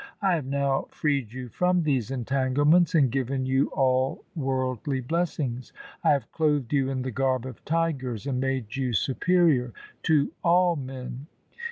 I have now freed you from these entanglements and given you all worldly blessings. I have clothed you in the garb of tigers, and made you superior to all men.